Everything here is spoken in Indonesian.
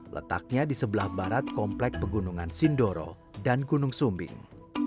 letaknya di sebelah barat komplek pegunungan sindoro dan gunung sumbing